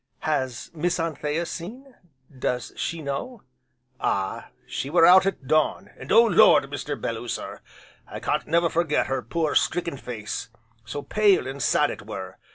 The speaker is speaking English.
"Has Miss Anthea seen, does she know?" "Ah! she were out at dawn, and Oh Lord, Mr. Belloo sir! I can't never forget her poor, stricken face, so pale and sad it were.